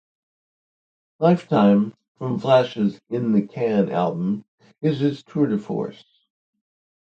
"Lifetime", from Flash's "In the Can" album, is his tour-de-force.